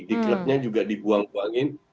di klubnya juga dibuang buangin